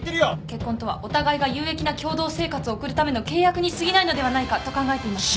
結婚とはお互いが有益な共同生活を送るための契約にすぎないのではないかと考えていました。